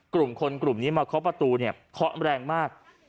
กลุ่มคนกลุ่มนี้มาเคาะประตูเนี่ยเคาะแรงมาก